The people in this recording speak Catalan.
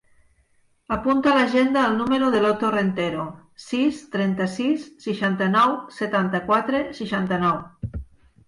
Apunta a l'agenda el número de l'Otto Rentero: sis, trenta-sis, seixanta-nou, setanta-quatre, seixanta-nou.